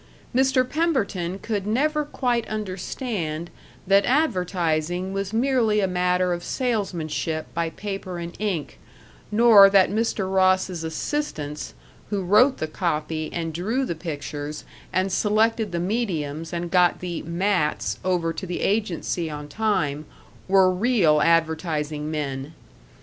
Mr. Pemberton could never quite understand that advertising was merely a matter of salesmanship by paper and ink, nor that Mr. Ross's assistants, who wrote the copy and drew the pictures and selected the mediums and got the "mats" over to the agency on time, were real advertising men.